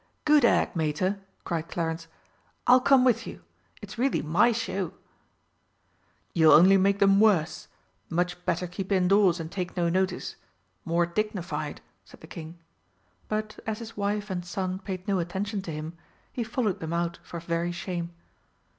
"Good egg, Mater!" cried Clarence, "I'll come with you. It's really my show!" "You'll only make them worse! Much better keep indoors and take no notice. More dignified," said the King. But as his wife and son paid no attention to him, he followed them out for very shame.